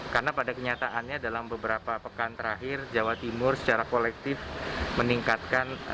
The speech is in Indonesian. karena pada kenyataannya dalam beberapa pekan terakhir jawa timur secara kolektif meningkatkan